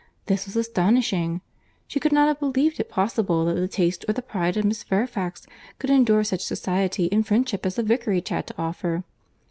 This was astonishing!—She could not have believed it possible that the taste or the pride of Miss Fairfax could endure such society and friendship as the Vicarage had to offer.